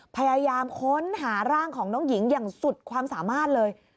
พยายามค้นหาร่างของน้องหญิงอย่างสุดความสามารถเลย